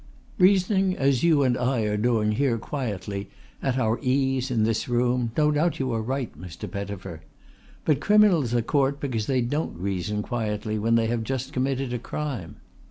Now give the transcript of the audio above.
"Reasoning as you and I are doing here quietly, at our ease, in this room, no doubt you are right, Mr. Pettifer. But criminals are caught because they don't reason quietly when they have just committed a crime.